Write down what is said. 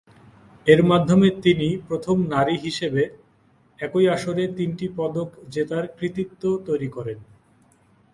এর মাধ্যমে তিনি প্রথম নারী হিসেবে একই আসরে তিনটি পদক জেতার কৃতিত্ব তৈরি করেন।